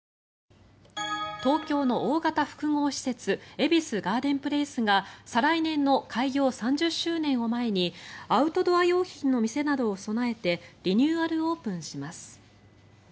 東京の大型複合施設恵比寿ガーデンプレイスが再来年の開業３０周年を前にアウトドア用品の店などを備えてリニューアルオープンします。